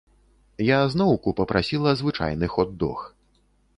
Я зноўку папрасіла звычайны хот-дог.